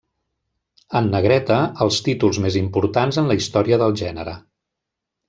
En negreta, els títols més importants en la història del gènere.